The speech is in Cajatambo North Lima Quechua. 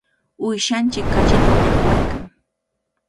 Uyshanchik kachita llaqwaykan.